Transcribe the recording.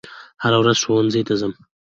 هره ورځ ښوونځي ته ځم